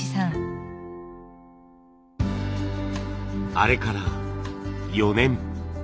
あれから４年。